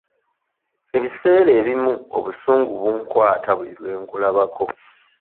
Ebiseera ebimu obusungu bunkwata buli lwe nkulabako.